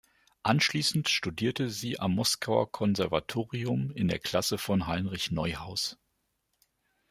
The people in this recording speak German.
Anschließend studierte sie am Moskauer Konservatorium in der Klasse von Heinrich Neuhaus.